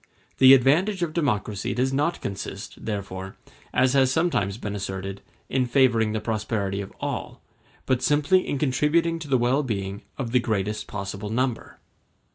The advantage of democracy does not consist, therefore, as has sometimes been asserted, in favoring the prosperity of all, but simply in contributing to the well being of the greatest possible number.